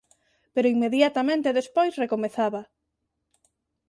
Pero inmediatamente despois recomezaba: